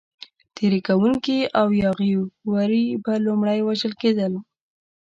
تېري کوونکي او یاغي وري به لومړی وژل کېدل.